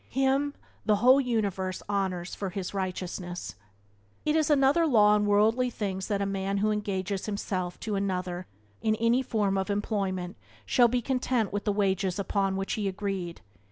Him the whole universe honours for his righteousness. It is another law in worldly things that a man who engages himself to another in any form of employment shall be content with the wages upon which he agreed.